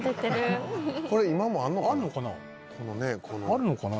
「あるのかな？」